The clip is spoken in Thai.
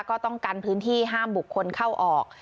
ก็ต้องกันพื้นที่ห้ามบุคคลเข้าออก